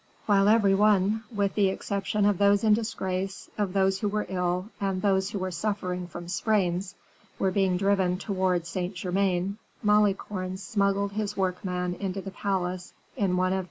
While every one, with the exception of those in disgrace, of those who were ill, and those who were suffering from sprains, were being driven towards Saint Germain, Malicorne smuggled his workman into the palace in one of M.